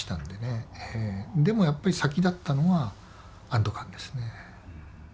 でもやっぱり先立ったのは安ど感ですね。